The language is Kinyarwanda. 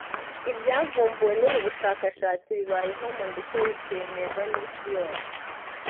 Ibyavumbuwe n’ubu bushakashatsi bibaye impamo ndetse bikemerwa n’isi yose